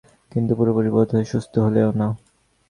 কিন্তু পুরোপুরি বোধহয় সুস্থ হলেনও না।